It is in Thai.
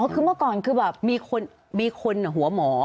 คือเมื่อก่อนคือแบบมีคนหัวหมอ